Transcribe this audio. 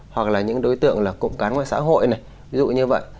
hoặc là những đối tượng là cụm cán ngoài xã hội này ví dụ như vậy